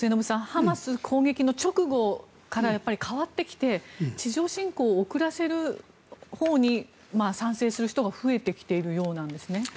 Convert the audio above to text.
ハマス攻撃の直後から変わってきて地上侵攻を遅らせるほうに賛成する人が増えてきているようなんですね。